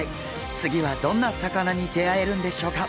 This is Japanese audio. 次はどんな魚に出会えるんでしょうか？